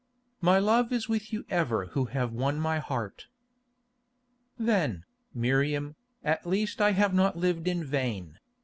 "My love is with you ever who have won my heart." "Then, Miriam, at least I have not lived in vain.